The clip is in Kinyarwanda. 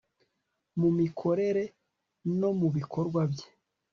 mu mikorere no mu bikorwa bye